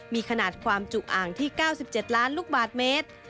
มีขนาดความจุอ่างที่๙๗ล้านลูกบาทเมตร